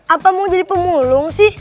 apa mau jadi pemulung sih